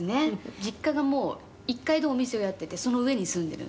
「実家がもう１階でお店をやっててその上に住んでるんで」